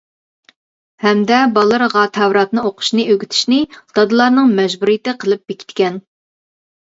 ھەمدە بالىلىرىغا تەۋراتنى ئوقۇشنى ئۆگىتىشنى دادىلارنىڭ مەجبۇرىيىتى قىلىپ بېكىتكەن.